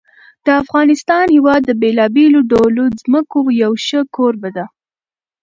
د افغانستان هېواد د بېلابېلو ډولو ځمکو یو ښه کوربه دی.